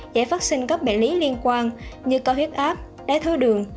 giải phát sinh các bệnh lý liên quan như cao huyết áp đáy thơ đường